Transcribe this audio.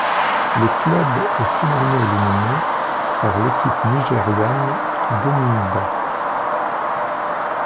Le club est finalement éliminé par l'équipe nigériane d'Enyimba.